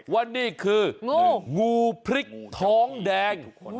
ว่านี่คืองูพริกท้องแดง